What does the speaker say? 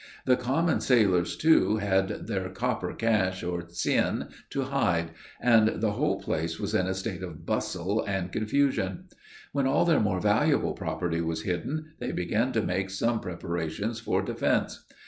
The common sailors, too, had their copper cash, or "tsien," to hide; and the whole place was in a state of bustle and confusion. When all their more valuable property was hidden, they began to make some preparations for defense.